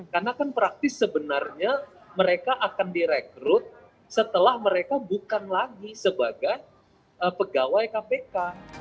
karena kan praktis sebenarnya mereka akan direkrut setelah mereka bukan lagi sebagai pegawai kpk